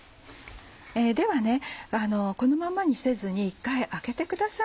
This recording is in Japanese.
ではこのままにせずに一回あけてください。